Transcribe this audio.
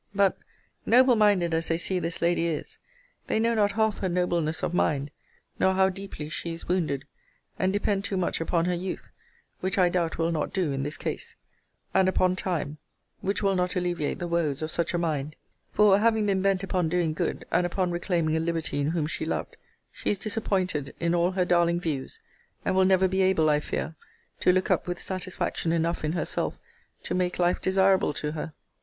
But, noble minded as they see this lady is, they know not half her nobleness of mind, nor how deeply she is wounded; and depend too much upon her youth, which I doubt will not do in this case; and upon time, which will not alleviate the woes of such a mind: for, having been bent upon doing good, and upon reclaiming a libertine whom she loved, she is disappointed in all her darling views, and will never be able, I fear, to look up with satisfaction enough in herself to make life desirable to her.